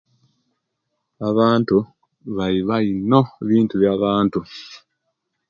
Abantu baiba ino ebintu bya bantu